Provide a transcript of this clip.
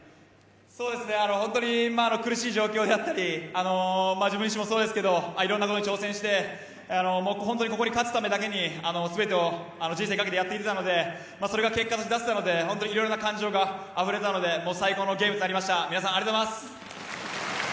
本当に苦しい状況であったり自分自身にしてもそうですけどいろんなことに挑戦してここに勝つためだけに全てを人生懸けてやってきてたのでそれが結果に出せたのでいろんな感情があふれたのでもう最高のゲームになりました。